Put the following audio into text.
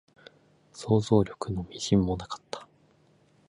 想像力の微塵もなかった